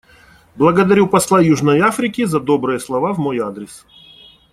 Благодарю посла Южной Африке за добрые слова в мой адрес.